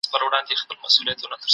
مشاورین به انفرادي حقونه خوندي کړي.